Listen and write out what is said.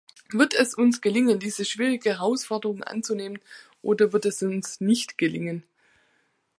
Wird es uns gelingen, diese schwierige Herausforderung anzunehmen, oder wird es uns nicht gelingen?